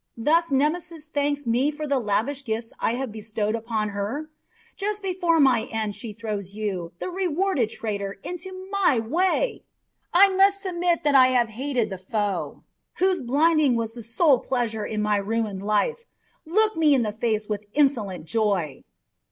Thus Nemesis thanks me for the lavish gifts I have bestowed upon her? Just before my end she throws you, the rewarded traitor, into my way! I must submit to have the hated foe, whose blinding was the sole pleasure in my ruined life, look me in the face with insolent joy."